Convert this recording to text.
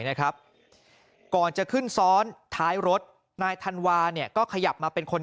นะครับก่อนจะขึ้นซ้อนท้ายรถนายธันวาเนี่ยก็ขยับมาเป็นคน